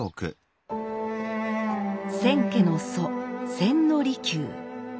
千家の祖千利休。